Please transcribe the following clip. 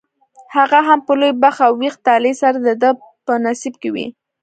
هغه هم په لوی بخت او ویښ طالع سره دده په نصیب کې وي.